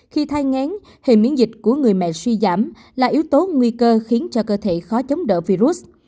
khi thai ngén hệ miễn dịch của người mẹ suy giảm là yếu tố nguy cơ khiến cho cơ thể khó chống đỡ virus